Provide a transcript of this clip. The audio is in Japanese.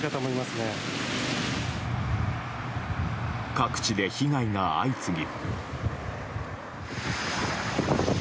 各地で被害が相次ぎ。